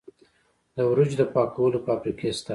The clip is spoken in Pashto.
د وریجو د پاکولو فابریکې شته.